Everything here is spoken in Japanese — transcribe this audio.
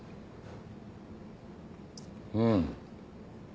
うん。